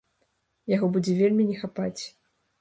Яго будзе вельмі не хапаць.